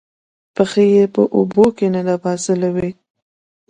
پښې یې په اوبو کې ننباسلې وې